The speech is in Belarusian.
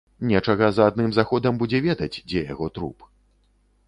Нечага за адным заходам будзе ведаць, дзе яго труп.